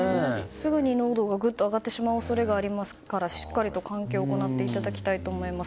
すぐに濃度がぐっと上がってしまう恐れがありますからしっかり換気を行っていただきたいと思います。